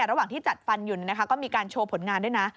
ระหว่างที่จัดฟันอยู่นะคะก็มีการโชว์ผลงานด้วยนะ